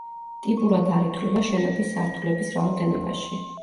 ტიპურად არ ითვლება შენობის სართულების რაოდენობაში.